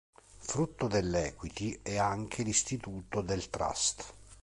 Frutto dell"equity" è anche l'istituto del Trust.